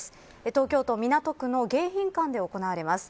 東京都港区の迎賓館で行われます。